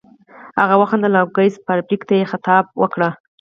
هغه وخندل او ګس فارویک ته یې خطاب وکړ